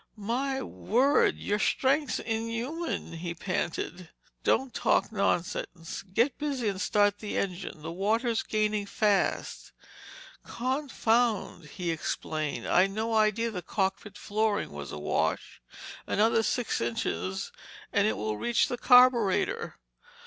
"My word—your strength's inhuman—" he panted. "Don't talk nonsense. Get busy and start the engine. The water's gaining fast." "Confound!" he exclaimed. "I'd no idea the cockpit flooring was awash. Another six inches and it will reach the carburetor."